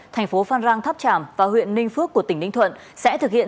thành phố phan rang tháp tràm và huyện ninh phước của tỉnh ninh thuận sẽ thực hiện